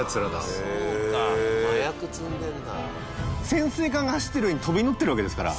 潜水艦が走ってる上に飛び乗ってるわけですから。